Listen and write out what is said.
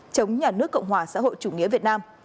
chống nhà nước cộng hòa xã hội chủ nghĩa việt nam